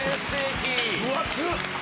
分厚っ！